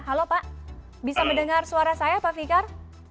halo pak bisa mendengar suara saya pak fikar